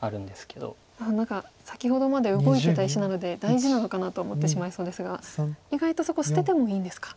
何か先ほどまで動いてた石なので大事なのかなと思ってしまいそうですが意外とそこ捨ててもいいんですか。